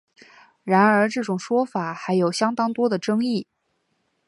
然而这种说法还有相当多的争议。